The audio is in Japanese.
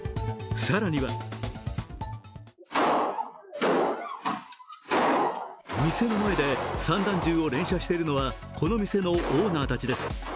更には店の前で散弾銃を連射しているのはこの店のオーナーたちです。